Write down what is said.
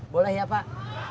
boleh ya pak